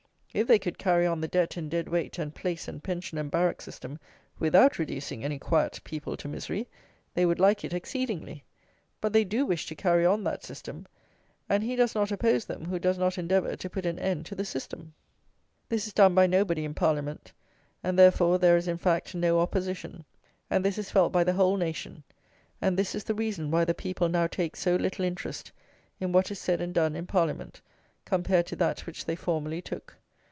If they could carry on the debt and dead weight and place and pension and barrack system, without reducing any quiet people to misery, they would like it exceedingly. But they do wish to carry on that system; and he does not oppose them who does not endeavour to put an end to the system. This is done by nobody in Parliament; and, therefore, there is, in fact, no opposition; and this is felt by the whole nation; and this is the reason why the people now take so little interest in what is said and done in Parliament, compared to that which they formerly took.